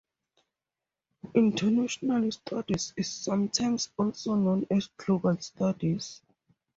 International Studies is sometimes also known as global studies.